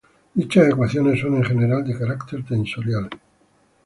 Dichas ecuaciones son en general de carácter tensorial.